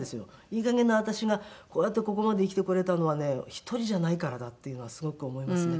いいかげんな私がこうやってここまで生きてこれたのはね１人じゃないからだっていうのはすごく思いますね。